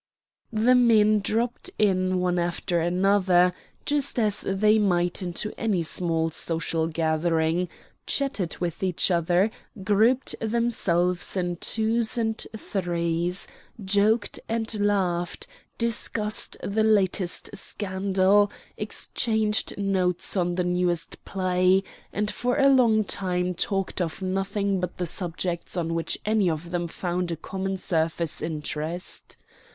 The men dropped in one after another, just as they might into any small social gathering, chatted with each other, grouped themselves in twos and threes, joked and laughed, discussed the latest scandal, exchanged notes on the newest play, and for a long time talked of nothing but the subjects on which any of them found a common surface interest.